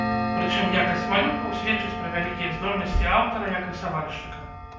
Прычым якасць малюнкаў сведчыць пра вялікія здольнасці аўтара, як рысавальшчыка.